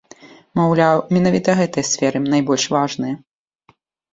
Маўляў, менавіта гэтыя сферы найбольш важныя.